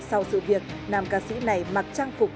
sau sự việc nam ca sĩ này mặc trang phục